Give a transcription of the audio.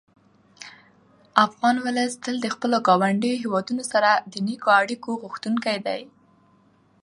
افغان ولس تل د خپلو ګاونډیو هېوادونو سره د نېکو اړیکو غوښتونکی دی.